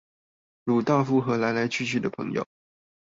魯道夫和來來去去的朋友